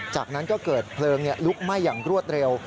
จากนั้นก็เกิดเพลิงลุกไหม้อย่างรวดเร็ว